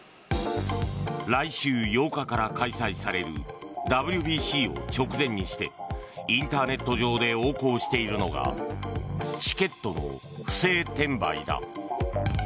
来週８日から開催されるＷＢＣを直前にしてインターネット上で横行しているのがチケットの不正転売だ。